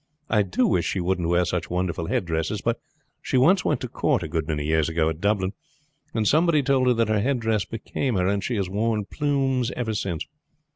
I do wish she wouldn't wear such wonderful headdresses; but she once went to court a good many years ago at Dublin, and somebody told her that her headdress became her, and she has worn plumes ever since."